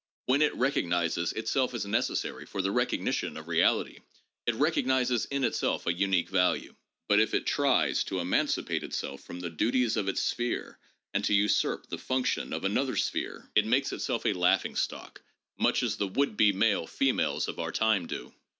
When it recognizes itself as necessary for the recognition of re ality, it recognizes in itself a unique value ; but if it tries to eman cipate itself from the duties of its sphere and to usurp the function of another sphere, it makes itself a laughing stock, much as the would be male females of our time do.